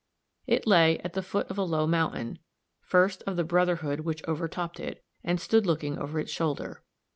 It lay at the foot of a low mountain, first of the brotherhood which overtopped it, and stood looking over its shoulder.